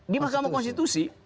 di mahkamah konstitusi